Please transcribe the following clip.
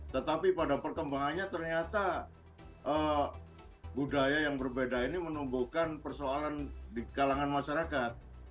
tetapi pada perkembangannya ternyata budaya yang berbeda ini menumbuhkan persoalan di kalangan masyarakat